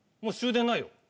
もう終電ないよ。